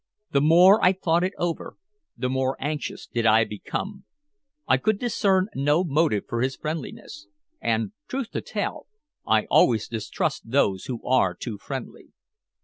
The more I thought it over, the more anxious did I become. I could discern no motive for his friendliness, and, truth to tell, I always distrust those who are too friendly.